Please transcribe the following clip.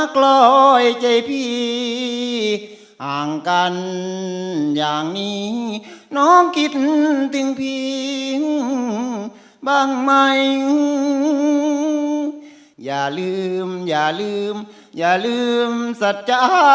ขออีกซักเพลงหน่อยนะครับ